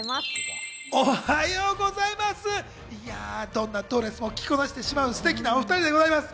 どんなドレスも着こなしてしまうステキなお２人です。